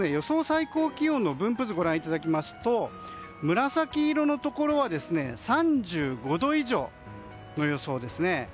最高気温の分布図をご覧いただきますと紫色のところは３５度以上の予想ですね。